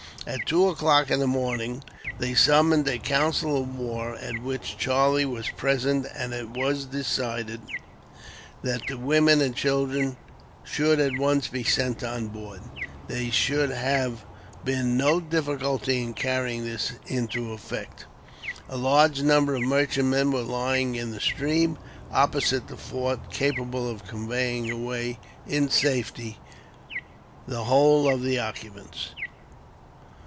At two o'clock in the morning, they summoned a council of war, at which Charlie was present, and it was decided that the women and children should at once be sent on board. There should have been no difficulty in carrying this into effect. A large number of merchantmen were lying in the stream, opposite the fort, capable of conveying away in safety the whole of the occupants.